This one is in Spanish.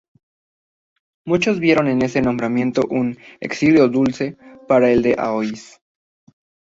Muchos vieron en ese nombramiento un "exilio dulce" para el de Aoiz.